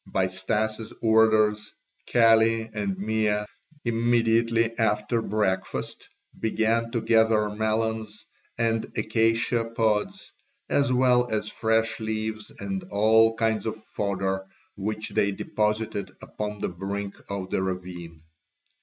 By Stas' orders, Kali and Mea, immediately after breakfast, began to gather melons and acacia pods as well as fresh leaves and all kinds of fodder, which they deposited upon the brink of the ravine.